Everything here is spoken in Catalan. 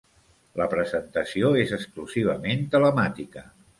La presentació és exclusivament telemàtica.